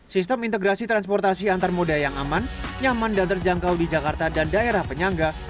sistem integrasi transportasi antar moda yang aman nyaman dan terjangkau di jakarta dan daerah penyangga